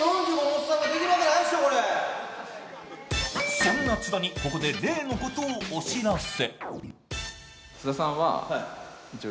そんな津田に、ここで例のことをお知らせ。